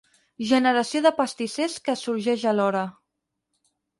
Generació de pastissers que sorgeix alhora.